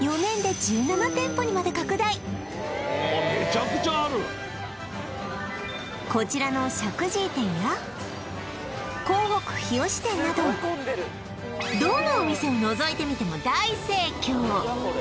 めちゃくちゃあるこちらの石神井店やなどどのお店をのぞいてみても大盛況！